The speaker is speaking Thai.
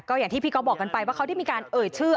อย่างที่พี่ก๊อฟบอกกันไปว่าเขาได้มีการเอ่ยชื่อ